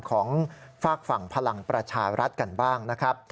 ของฝากฝั่งพลังประชารัฐกันบ้างนะครับ